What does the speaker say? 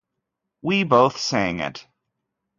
We both sang it.